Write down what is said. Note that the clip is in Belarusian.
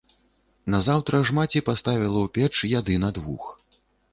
Назаўтра ж маці паставіла ў печ яды на двух.